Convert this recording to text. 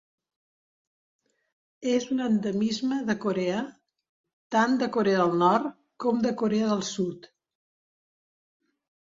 És un endemisme de Corea, tant de Corea del Nord com de Corea del Sud.